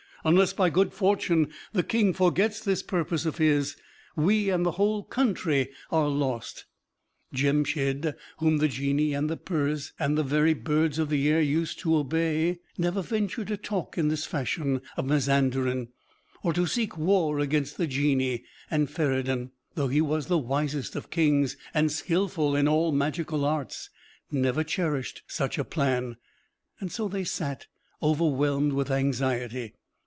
Unless by good fortune the King forgets this purpose of his, we and the whole country are lost. Jemshid, whom the Genii and the Peris and the very birds of the air used to obey, never ventured to talk in this fashion of Mazanderan, or to seek war against the Genii; and Feridun, though he was the wisest of kings, and skilful in all magical arts, never cherished such a plan." So they sat, overwhelmed with anxiety.